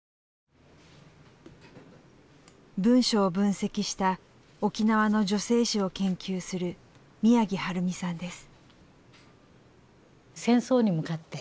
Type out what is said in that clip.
文書を分析した沖縄の女性史を研究する宮城晴美さんです。